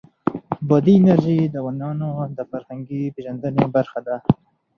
بادي انرژي د افغانانو د فرهنګي پیژندنې برخه ده.